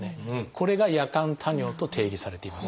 これが「夜間多尿」と定義されています。